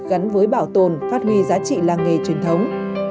gắn với bảo tồn phát huy giá trị làng nghề truyền thống